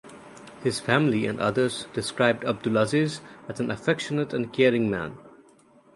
His family and others described Abdulaziz as an affectionate and caring man.